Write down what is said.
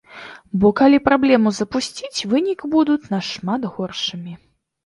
Бо калі праблему запусціць, вынікі будуць нашмат горшымі.